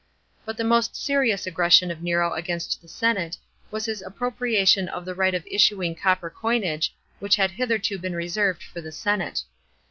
But the most serious aggression of Nero against the senate, was his appropriation of the right of issuing copper coinage, which had hitherto been reserved lor the senaie.